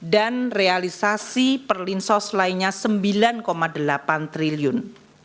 dan perlinsos lainnya rp sembilan delapan triliun